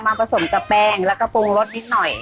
ผสมกับแป้งแล้วก็ปรุงรสนิดหน่อย